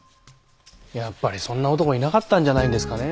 やっぱりそんな男いなかったんじゃないんですかね。